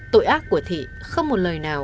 tội ác của thị không một lời nào